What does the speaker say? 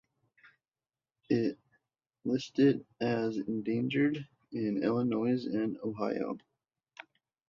It listed as endangered in Illinois and Ohio.